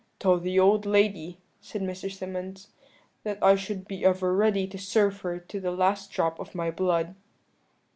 "'Tell the old lady,' said Mr. Symonds, 'that I should be ever ready to serve her to the last drop of my blood.'